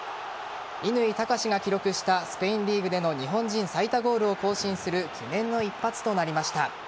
乾貴士が記録したスペインリーグでの日本人最多ゴールを更新する記念の一発となりました。